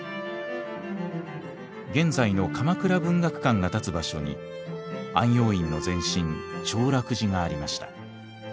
現在の鎌倉文学館が立つ場所に安養院の前身長楽寺がありました。